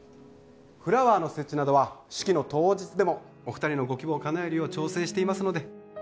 フラワーの設置などは式の当日でもお二人のご希望をかなえるよう調整していますので